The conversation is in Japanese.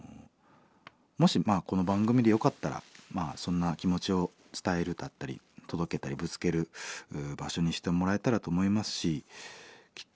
もしこの番組でよかったらそんな気持ちを伝えるだったり届けたりぶつける場所にしてもらえたらと思いますしきっと